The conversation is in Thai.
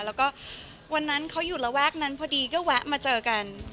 แล้วก็วันนั้นเขาอยู่ระแวกนั้นพอดีก็แวะมาเจอกัน